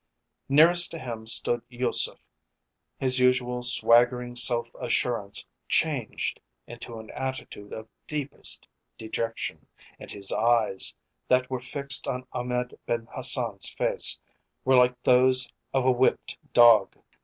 Nearest to him stood Yusef, his usual swaggering self assurance changed into an attitude of deepest dejection, and his eyes, that were fixed on Ahmed Ben Hassan's face, were like those of a whipped dog.